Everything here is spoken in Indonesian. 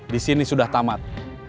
di sini sudah tamat